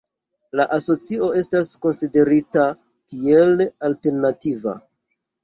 La asocio estas konsiderita kiel alternativa.